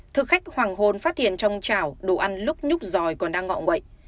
thực khách hoàng hồn phát hiện trong chảo đồ ăn lúc nhúc dòi còn đang ngọ ngậy